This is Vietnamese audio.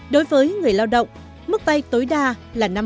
hai đối với người lao động mức vay tối đa là năm mươi triệu đồng